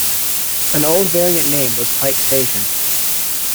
An old variant name was Pike Station.